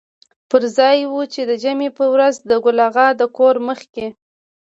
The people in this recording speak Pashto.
پر ځای و چې د جمعې په ورځ د ګل اغا د کور مخکې.